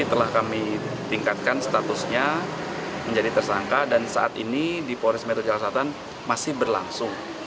telah kami tingkatkan statusnya menjadi tersangka dan saat ini di polres metro jakarta selatan masih berlangsung